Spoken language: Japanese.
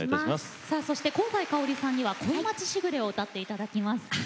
そして香西かおりさんには「恋街しぐれ」を歌って頂きます。